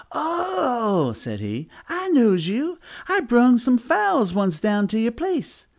"Oh," said he, "I knows you, I brung some fowls once down to you place.